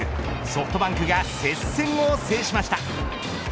ソフトバンクが接戦を制しました。